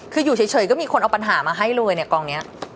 คืออยู่เฉยก็มีคนเอาปัญหามาให้เลยเนี่ยกองนี้